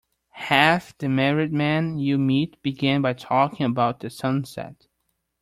Half the married men you meet began by talking about the sunset.